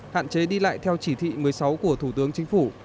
hạn chế đi lại theo chỉ thị một mươi sáu của thủ tướng chính phủ